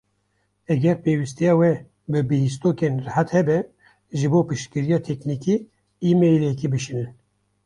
Eger pêwîstiya we bi bihîstokên rihet hebe, ji bo piştgiriya teknîkî emailekî bişînin.